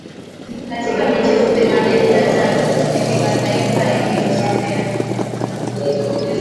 katika michezo themanini na tano ya kimataifa ailiyochezea